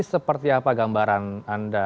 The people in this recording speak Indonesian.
seperti apa gambaran anda